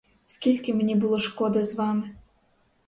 Скільки мені було шкоди з вами!